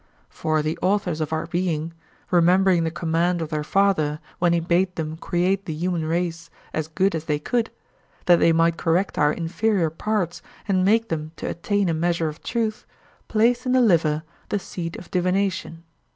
For the authors of our being, remembering the command of their father when he bade them create the human race as good as they could, that they might correct our inferior parts and make them to attain a measure of truth, placed in the liver the seat of divination.